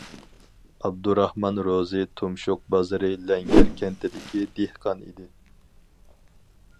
ئابدۇراخمان روزى تۇمشۇق بازىرى لەڭگەر كەنتىدىكى دېھقان ئىدى.